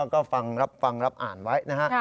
ก็ฟังรับอ่านไว้นะฮะ